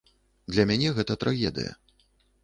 Для мяне гэта трагедыя.